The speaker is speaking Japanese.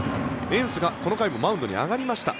エンスがこの回もマウンドに上がりました。